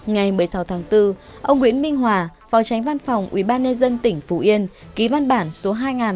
ngày một mươi sáu tháng bốn ông nguyễn minh hòa phó tránh văn phòng ubnd tỉnh phú yên ký văn bản số hai nghìn một trăm sáu mươi ba